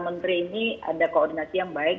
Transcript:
menteri ini ada koordinasi yang baik